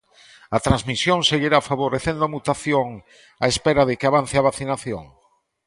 A transmisión seguirá favorecendo a mutación á espera de que avance a vacinación?